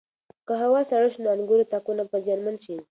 که هوا سړه شي نو د انګورو تاکونه به زیانمن شي.